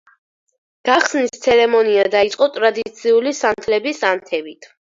გახსნის ცერემონია დაიწყო ტრადიციული სანთლების ანთებით.